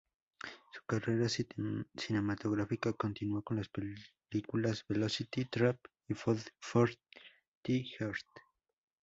Su carrera cinematográfica continuó con las películas "Velocity Trap" y "Food for the Heart".